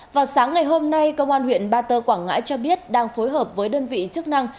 vào sáng ngày hôm nay công an huyện ba tơ quảng ngãi cho biết đang phối hợp với đơn vị chức năng